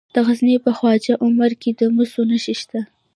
د غزني په خواجه عمري کې د مسو نښې شته.